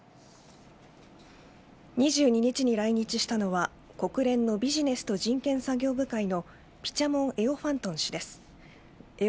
２２日に来日したのは国連のビジネスと人権作業部会のピチャモン・エオファントン氏です。